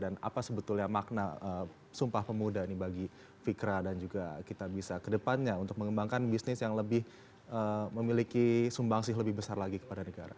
dan apa sebetulnya makna sumpah pemuda ini bagi fikra dan juga kitabisa ke depannya untuk mengembangkan bisnis yang lebih memiliki sumbangsih lebih besar lagi kepada negara